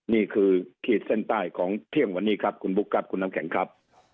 ขีดเส้นใต้ของเที่ยงวันนี้ครับคุณบุ๊คครับคุณน้ำแข็งครับ